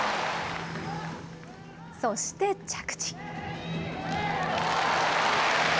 そして着地。